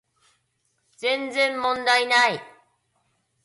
全然問題ない